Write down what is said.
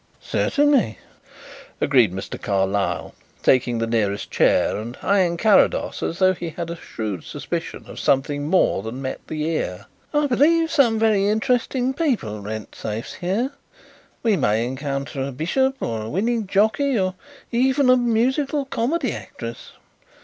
"Certainly," agreed Mr. Carlyle, taking the nearest chair and eyeing Carrados as though he had a shrewd suspicion of something more than met the ear. "I believe some very interesting people rent safes here. We may encounter a bishop, or a winning jockey, or even a musical comedy actress.